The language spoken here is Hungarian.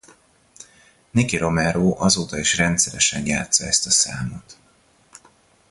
Nicky Romero azóta is rendszeresen játssza ezt a számot.